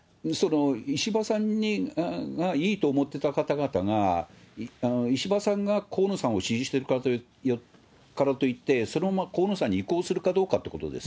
石破さんがいいと思ってた方々が、石破さんが河野さんを支持しているからといって、そのまま河野さんに移行するかどうかってことです。